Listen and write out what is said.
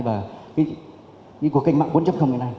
và cái của kênh mạng bốn ngày nay